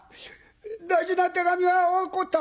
大事な手紙が落っこった！